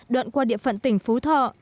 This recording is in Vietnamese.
đoạn qua địa phận tỉnh phú thọ